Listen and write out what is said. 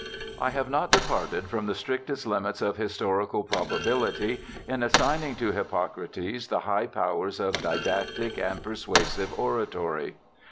ELISHA BARTLETT 155 I have not departed from the strictest Hmits of historical probability, in assigning to Hippocrates the high powers of didactic and persuasive oratory.